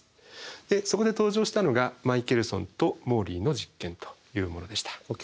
でそこで登場したのがマイケルソンとモーリーの実験というものでした。